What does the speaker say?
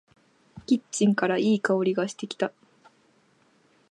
キッチンからいい香りがしてきた。